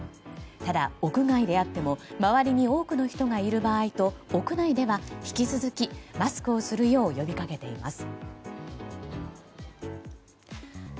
ただ屋外であっても周りに多くの人がいる場合と屋内では引き続きマスクをするよう呼び掛けています。